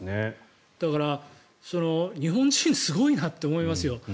だから、日本人すごいなって思いますよ。